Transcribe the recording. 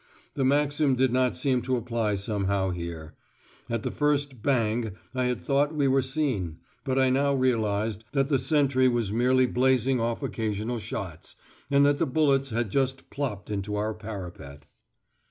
The maxim did not seem to apply somehow here. At the first "bang" I had thought we were seen; but I now realised that the sentry was merely blazing off occasional shots, and that the bullets had just plopped into our parapet.